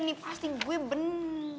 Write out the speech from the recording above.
nih pasti gue bener